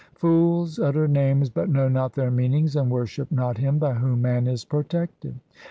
Fools utter names, but know not their meanings, and worship not Him by whom man is protected.